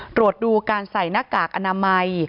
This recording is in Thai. ตรวจดูการใส่หน้ากากอนามัย